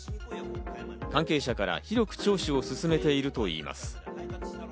関係者から広く聴取を進めているといいます。